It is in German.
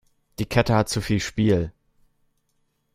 Die Kette hat zu viel Spiel.